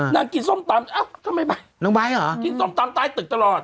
กินส้มตำเอ้าทำไมไปน้องไบท์เหรอกินส้มตำใต้ตึกตลอด